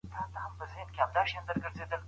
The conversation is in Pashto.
افغان ډیپلوماټان د کار کولو مساوي حق نه لري.